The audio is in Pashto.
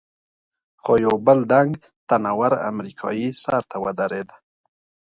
خو یو بل ډنګ، تنه ور امریکایي سر ته ودرېد.